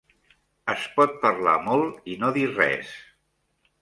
Es pot parlar molt i no dir res.